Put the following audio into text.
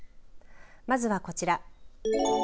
まずはこちら。